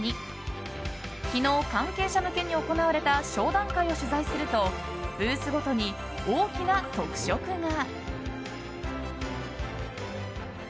昨日、関係者向けに行われた商談会を取材するとブースごとに大きな特色が。